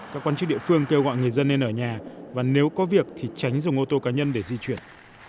các quan chức địa phương kêu gọi người dân nên ở nhà và nếu có việc thì tránh dùng ô tô cá nhân để di chuyển